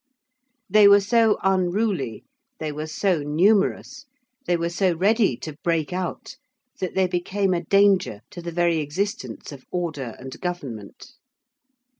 They were so unruly, they were so numerous, they were so ready to break out, that they became a danger to the very existence of Order and Government.